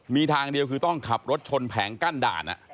มีทางเดียวคือต้องขับรถชนแผงกั้นด่าน